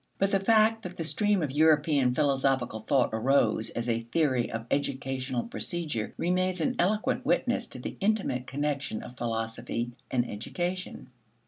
But the fact that the stream of European philosophical thought arose as a theory of educational procedure remains an eloquent witness to the intimate connection of philosophy and education.